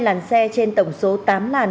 hai làn xe trên tổng số tám làn